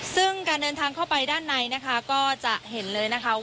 ซึ่งการเดินทางเข้าไปด้านในนะคะก็จะเห็นเลยนะคะว่า